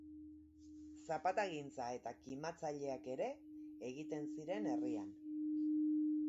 Zapatagintza eta kimatzaileak ere egiten ziren herrian.